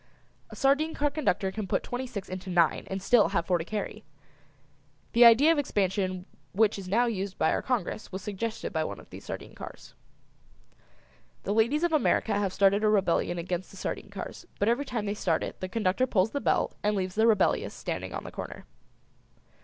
A sardine car conductor can put twenty six into nine and still have four to carry. The idea of expansion which is now used by our Congress was suggested by one of these sardine cars. The ladies of America have started a rebellion against the sardine cars, but every time they start it the conductor pulls the bell and leaves the rebellious standing on the corner.